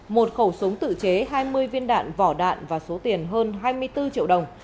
một khẩu súng tự chế hai mươi viên đạn vỏ đạn và số tiền hơn hai mươi bốn triệu đồng